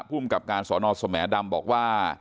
ภูมิกับการสอนอสแหมดำบอกว่า